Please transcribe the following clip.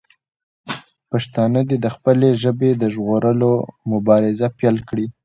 پښتانه دې د خپلې ژبې د ژغورلو مبارزه پیل کړي.